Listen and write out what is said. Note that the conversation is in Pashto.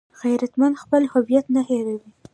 غیرتمند خپل هویت نه هېروي